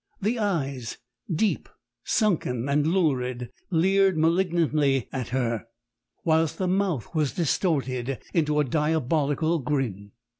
"The eyes, deep, sunken and lurid, leered malignantly at her, whilst the mouth was distorted into a diabolical grin.